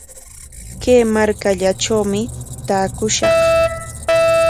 Kay markallatrawmi taakushaq.